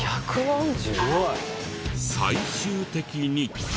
最終的に。